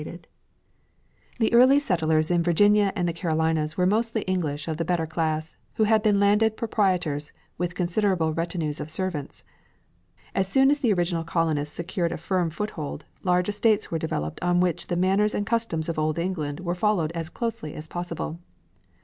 Seventy five years old] The early settlers in Virginia and the Carolinas were mostly English of the better class, who had been landed proprietors with considerable retinues of servants. As soon as these original colonists secured a firm foothold, large estates were developed on which the manners and customs of old England were followed as closely as possible.